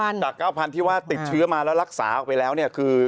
จาก๙๐๐ที่ว่าติดเชื้อมาแล้วรักษาออกไปแล้วเนี่ยคือ